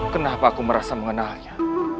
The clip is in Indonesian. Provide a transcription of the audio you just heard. kenapa aku merasa mengenalnya